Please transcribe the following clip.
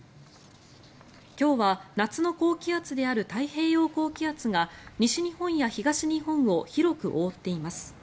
今日は夏の高気圧である太平洋高気圧が西日本や東日本を広く覆っています。